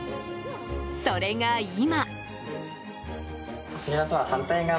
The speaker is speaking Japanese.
それが今。